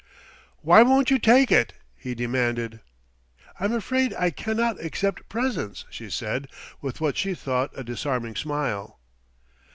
"Why won't you take it?" he demanded. "I'm afraid I cannot accept presents," she said with what she thought a disarming smile.